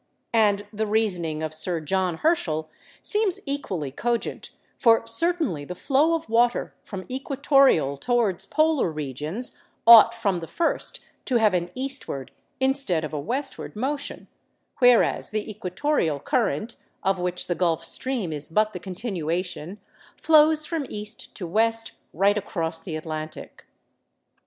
And the reasoning of Sir John Herschel seems equally cogent, for certainly the flow of water from equatorial towards polar regions ought from the first to have an eastward, instead of a westward motion; whereas the equatorial current, of which the Gulf Stream is but the continuation, flows from east to west, right across the Atlantic.